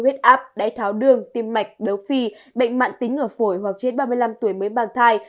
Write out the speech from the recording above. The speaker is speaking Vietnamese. huyết áp đáy tháo đường tim mạch béo phì bệnh mạng tính ở phổi hoặc trên ba mươi năm tuổi mới mang thai